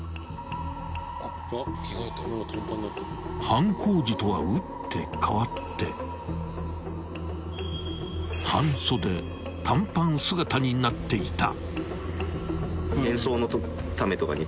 ［犯行時とは打って変わって半袖短パン姿になっていた］